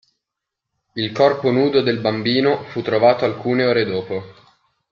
Il corpo nudo del bambino fu trovato alcune ore dopo.